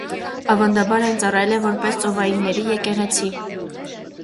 Ավանդաբար այն ծառայել է որպես ծովայինների եկեղեցի։